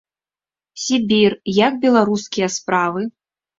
Сібір, як беларускія справы?